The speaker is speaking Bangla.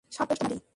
সব দোষ তোমারই।